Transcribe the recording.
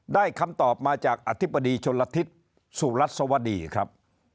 คำตอบมาจากอธิบดีชนละทิศสุรัสวดีครับ